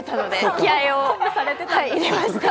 気合いを入れました。